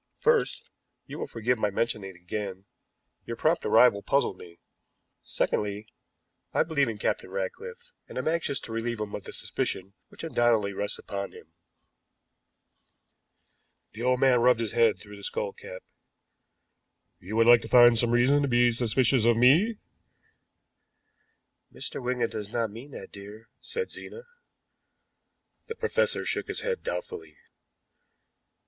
First you will forgive my mentioning it again your prompt arrival puzzled me; secondly, I believe in Captain Ratcliffe, and am anxious to relieve him of the suspicion which undoubtedly rests upon him." The old man rubbed his head through his skull cap. "You would like to find some reason to be suspicious of me?" "Mr. Wigan does not mean that, dear," said Zena. The professor shook his head doubtfully.